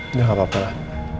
udah gak apa apalah